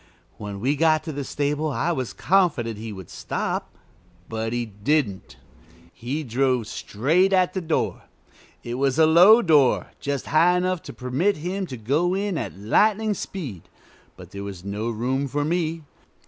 When we got to the stable I was confident he would stop, but he didn't. He drove straight at the door. It was a low door, just high enough to permit him to go in at lightning speed, but there was no room for me.